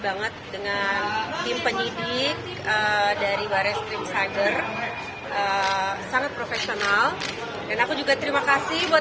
banget dengan tim penyidik dari baris krim cyber sangat profesional dan aku juga terima kasih buat